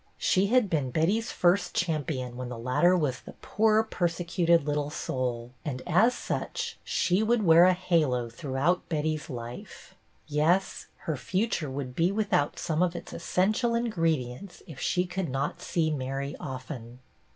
She had been HER COMMENCEMENT 271 Betty's first champion when the latter was the poor, persecuted little soul, and as such she would wear a halo throughout Betty's life. Yes, her future would be without some of its essential ingredients, if she could not see Mary often.